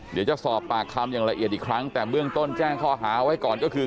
เดี๋ยวจะสอบปากคำอย่างละเอียดอีกครั้งแต่เบื้องต้นแจ้งข้อหาไว้ก่อนก็คือ